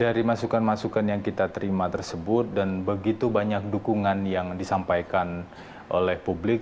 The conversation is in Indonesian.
dari masukan masukan yang kita terima tersebut dan begitu banyak dukungan yang disampaikan oleh publik